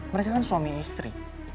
mereka kan suami istri